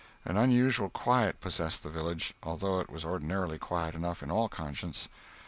An unusual quiet possessed the village, although it was ordinarily quiet enough, in all conscience.